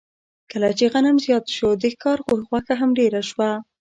کله چې غنم زیات شو، د ښکار غوښه هم ډېره شوه.